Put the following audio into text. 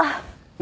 何？